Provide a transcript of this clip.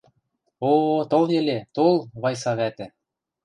— О-о-о, тол йӹле, тол, Вайса вӓтӹ!